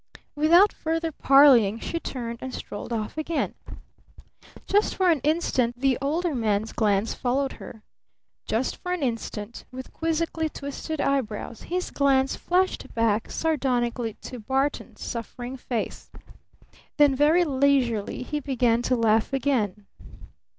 Without further parleying she turned and strolled off again. Just for an instant the Older Man's glance followed her. Just for an instant with quizzically twisted eyebrows his glance flashed back sardonically to Barton's suffering face. Then very leisurely he began to laugh again.